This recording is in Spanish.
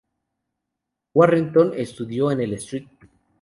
Warrenton estudió en el St.